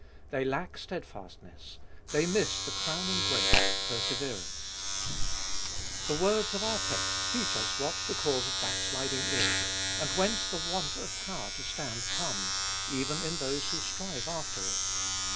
They lack steadfastness ; they miss the crowning grace of perseverance. 112 Gbe Tbolicst of BlI The words of our text teach us what the cause of backsliding is, and whence the want of power to stand comes, even in those who strive after it.